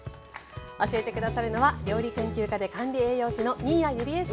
教えて下さるのは料理研究家で管理栄養士の新谷友里江さんです。